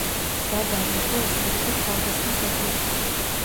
ზადარი იყო ოსმალების თავდასხმის ობიექტი.